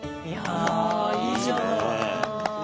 あらいいじゃない。